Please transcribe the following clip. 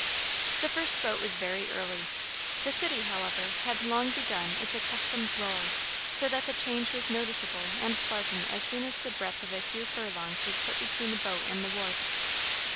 The first boat was very early. The city, however, had long begun its accustomed roar, so that the change was noticeable and pleasant as soon as the breadth of a few furlongs was put between the boat and the wharf.